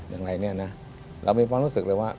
พอรบนี้นะเรามีความรู้สึกเลยว่า